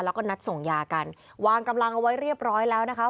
แล้วก็นัดส่งยากันวางกำลังเอาไว้เรียบร้อยแล้วนะคะ